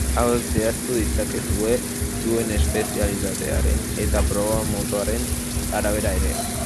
Hauek zehaztu ditzakezue zuen espezialitatearen eta proba motaren arabera ere.